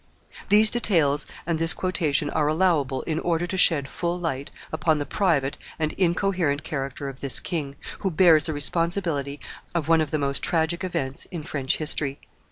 These details and this quotation are allowable in order to shed full light upon the private and incoherent character of this king, who bears the responsibility of one of the most tragic events in French history.